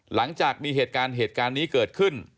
หลังจากมีเหตุการณ์เหตุการณ์นี้เกิดขึ้น